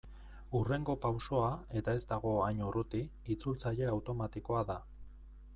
Hurrengo pausoa, eta ez dago hain urruti, itzultzaile automatikoa da.